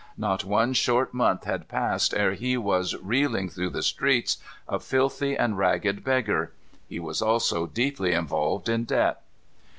Not one short month had passed ere he was reeling through the streets a filthy and ragged beggar. He was also deeply involved in debt.